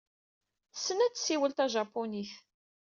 Tessen ad tessiwel tajapunit.